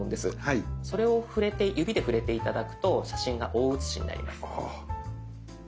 それを指で触れて頂くと写真が大写しになります。